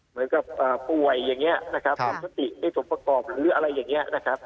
เหมือนเราเห็นคนหนึ่งเค้าป่วยที่สัตน์ปรากฏหรืออะไรอย่างนี้